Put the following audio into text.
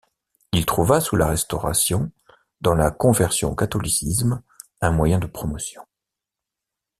Il trouva, sous la Restauration, dans la conversion au catholicisme, un moyen de promotion.